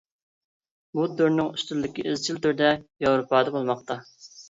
بۇ تۈرنىڭ ئۈستۈنلۈكى ئىزچىل تۈردە ياۋروپادا بولماقتا.